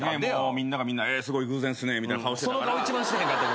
みんながみんなすごい偶然っすねみたいな顔してたからこれ駄目ですね。